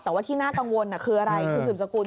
แต่ว่าที่น่ากังวลคืออะไรคุณสืบสกุล